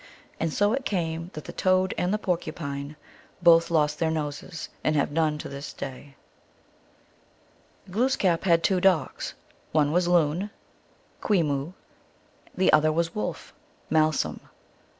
And so it came that the Toad and the Porcupine both lost their noses and have none to this day. GLOOSKAP THE DIVINITY. 109 Glooskap had two dogs. One was the Loon (Kwe moo), the other the Wolf (Malsum).